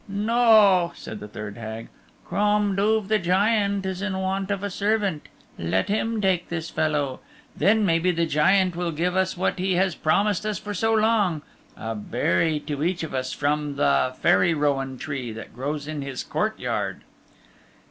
"No," said the third Hag. "Crom Duv the Giant is in want of a servant. Let him take this fellow. Then maybe the Giant will give us what he has promised us for so long a Berry to each of us from the Fairy Rowan Tree that grows in his courtyard."